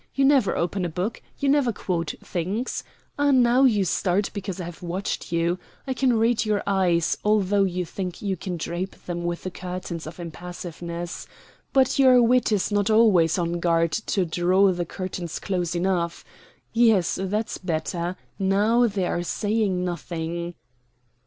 You never open a book; you never quote things ah, now you start because I have watched you. I can read your eyes, although you think you can drape them with the curtains of impassiveness. But your wit is not always on guard to draw the curtains close enough. Yes, that's better; now they are saying nothing."